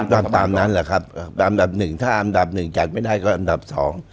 ก็ตามนั้นแหละครับตามอันดับหนึ่งถ้าอันดับหนึ่งจัดไม่ได้ก็อันดับสอง